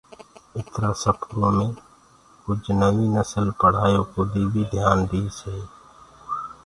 اِترا سڦرو مي ڪُج نوينٚ نسل پڙهآيو ڪودي بي ڌِيآن ديٚس هي۔